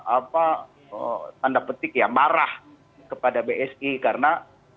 apa tanda petik ya marah kepada bsi karena